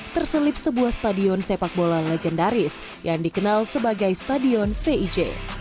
terselip sebuah stadion sepak bola legendaris yang dikenal sebagai stadion vij